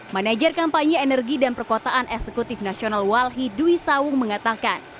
manager kampanye energi dan perkotaan eksekutif nasional walhi dwi sawung mengatakan